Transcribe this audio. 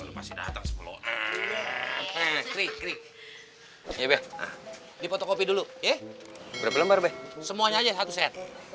udahiders saja shy